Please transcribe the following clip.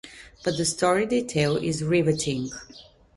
But the story they tell is riveting.